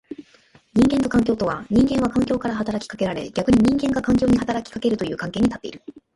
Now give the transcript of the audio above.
人間と環境とは、人間は環境から働きかけられ逆に人間が環境に働きかけるという関係に立っている。